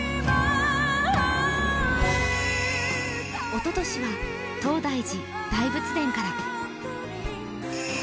おととしは、東大寺大仏殿から。